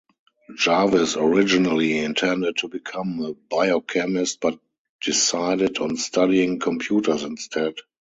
Jarvis originally intended to become a biochemist but decided on studying computers instead.